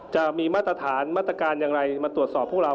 มาตรฐานมาตรการอย่างไรมาตรวจสอบพวกเรา